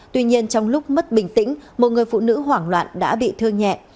tuy nhiên trong lúc mất bình tĩnh một người phụ nữ hoảng loạn đã bị cắt